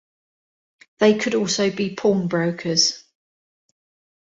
They could also be pawnbrokers.